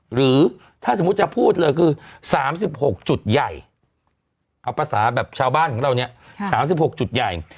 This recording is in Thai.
หรือถ้าสมมุติจะพูดเลยคือ๓๖จุดใหญ่เอาภาษาแบบชาวบ้านของเราเนี่ย๓๖จุดใหญ่